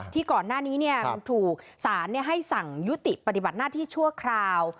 ที่ก่อนหน้านี้ถูกสารให้สั่งยุติปฏิบัติหน้าที่ชั่วคราว